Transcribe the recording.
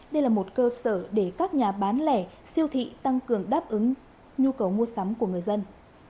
đây là một cơ sở để các nhà bán lẻ siêu thị tăng cường đáp ứng nhu cầu mua sắm của người dân